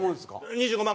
２５万